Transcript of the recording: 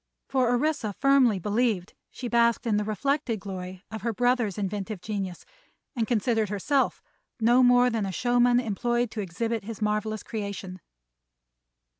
For Orissa firmly believed she basked in the reflected glory of her brother's inventive genius, and considered herself no more than a showman employed to exhibit his marvelous creation.